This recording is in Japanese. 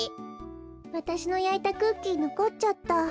わたしのやいたクッキーのこっちゃった。